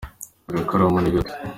agakaramu nigato